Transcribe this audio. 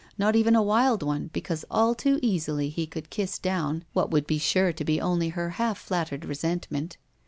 Not even a wild one, because all too easily he could kiss down what would be sure to be only her half flattered resentment.